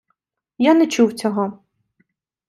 Я не чув цього.